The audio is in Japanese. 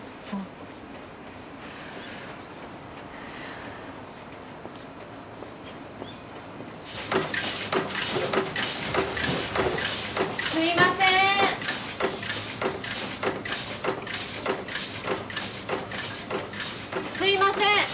すいません！